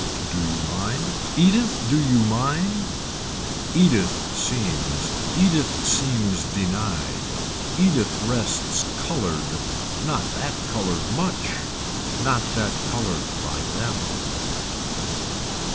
Do you mind. Edith do you mind. Edith seems, Edith seems denied. Edith rests colored, not that colored much, not that colored by them.